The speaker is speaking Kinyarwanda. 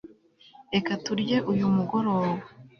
Reka turye uyu mugoroba